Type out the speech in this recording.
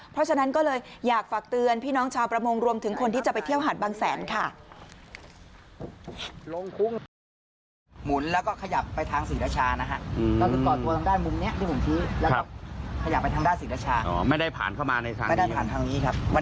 เพราะฉะนั้นก็เลยอยากฝากเตือนพี่น้องชาวประมงรวมถึงคนที่จะไปเที่ยวหาดบางแสนค่ะ